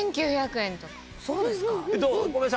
そうですか？